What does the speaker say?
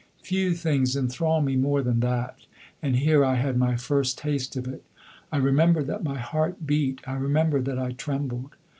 Few things enthral me more than that and here I had my first taste of it. I remember that my heart beat, I remember that I trembled.